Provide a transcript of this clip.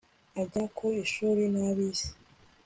ajya ku ishuri na bisi